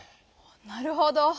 なるほど。